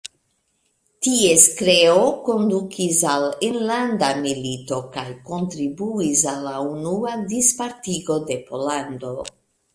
Ties kreo kondukis al enlanda milito kaj kontribuis al la Unua Dispartigo de Pollando.